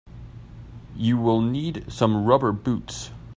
You will need some rubber boots.